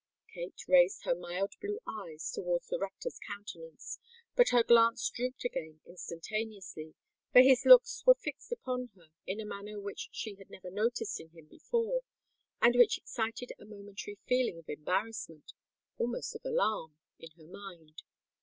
Kate raised her mild blue eyes towards the rector's countenance; but her glance drooped again instantaneously, for his looks were fixed upon her in a manner which she had never noticed in him before, and which excited a momentary feeling of embarrassment—almost of alarm—in her mind.